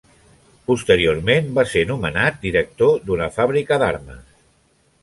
Posteriorment va ser nomenat director d'una fàbrica d'armes.